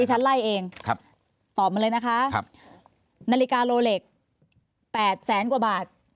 ฉันไล่เองครับตอบมาเลยนะคะครับนาฬิกาโลเล็กแปดแสนกว่าบาท